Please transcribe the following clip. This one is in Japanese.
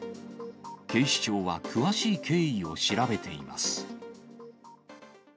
警視庁は詳しい経緯を調べています。